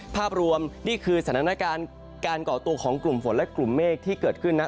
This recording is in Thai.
ภาพรวมนี่คือสถานการณ์การก่อตัวของกลุ่มฝนและกลุ่มเมฆที่เกิดขึ้นนะ